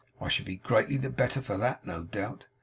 I should be greatly the better for that, no doubt.